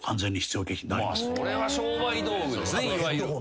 それは商売道具ですね。